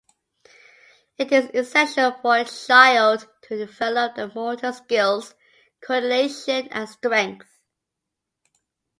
It is essential for a child to develop their motor skills, coordination, and strength.